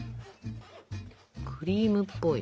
クリームっぽい。